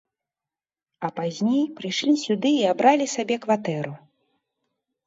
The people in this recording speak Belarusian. А пазней прыйшлі сюды і абралі сабе кватэру.